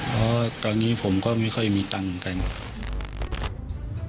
เพราะตอนนี้ผมก็ไม่ค่อยมีตังค์เหมือนกัน